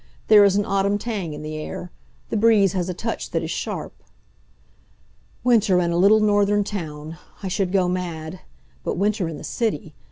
There is an autumn tang in the air. The breeze has a touch that is sharp. Winter in a little northern town! I should go mad. But winter in the city!